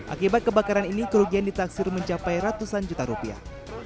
akibat kebakaran ini kerugian ditaksir mencapai ratusan juta rupiah